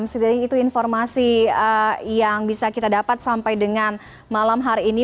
setidaknya itu informasi yang bisa kita dapat sampai dengan malam hari ini